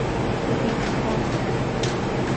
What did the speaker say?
But it hates the plow!